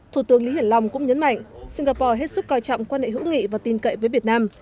thủ tướng lý hiển long cũng nhấn mạnh singapore hết sức coi trọng quan hệ hữu nghị và tin cậy với việt nam